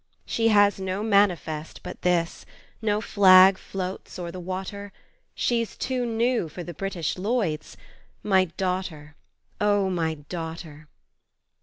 She has no manifest but this, No flag floats o'er the water, She's too new for the British Lloyds My daughter, O my daughter!